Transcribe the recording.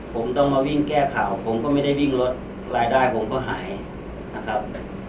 ผมต้องมาวิ่งแก้ข่าวผมก็ไม่ได้วิ่งรถรายได้ผมก็หายนะครับ